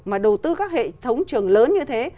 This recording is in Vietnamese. mà đầu tư các hệ thống trường lớn như thế